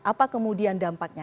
apa kemudian dampaknya